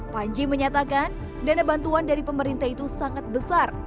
panji menyatakan dana bantuan dari pemerintah itu sangat besar